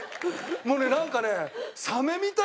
もうねなんかね。